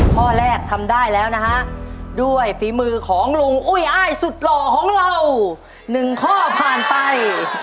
ข้อแรกทำได้แล้วนะฮะด้วยฝีมือของลุงอุ้ยอ้ายสุดหล่อของเรา๑ข้อผ่านไป